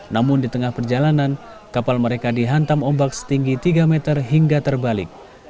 namun di tengah perjalanan kapal mereka dihantam ombak setinggi tiga meter hingga terbalik